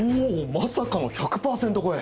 まさかの１００％超え！